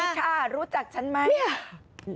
สวัสดีค่ะรู้จักฉันไหม